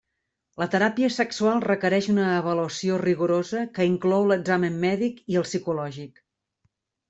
La teràpia sexual requereix una avaluació rigorosa que inclou l'examen mèdic i el psicològic.